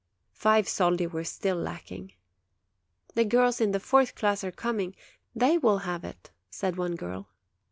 Five soldi were still lacking. 'The girls of the fourth class are coming; they will have it," said one girl.